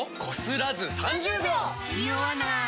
ニオわない！